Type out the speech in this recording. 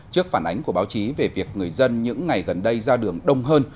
trước phản ánh của báo chí về việc người dân những ngày gần đây ra đường đông hơn